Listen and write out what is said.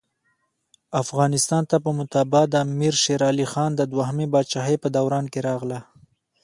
افغانستان ته مطبعه دامیر شېرعلي خان د دوهمي پاچاهۍ په دوران کي راغله.